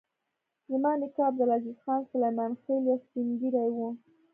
زما نیکه عبدالعزیز خان سلیمان خېل یو سپین ږیری و.